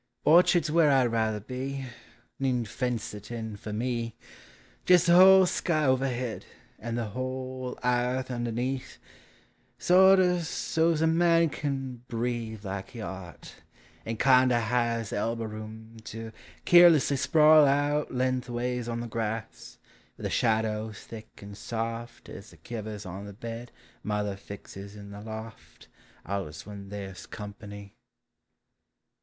Orchard's where I' ruther be — Needn't fence it in for me ! Jes' the whole sky overhead And the whole airth underneath Sorto' so 's a man kin breath Like he ort, and kindo' has Elbow room to keerlesslv Sprawl out len'thways on the grass, Where the shadows thick and soft As the kivvers on the bed Mother fixes in the loft Alius when they "a company!